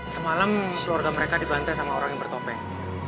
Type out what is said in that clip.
semalam keluarga mereka dibantah sama orang yang bertopeng